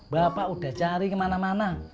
bapak udah cari kemana mana